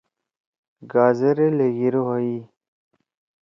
گازرے لھیگیِر ہوئی۔